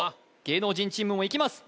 芸能人チームもいきます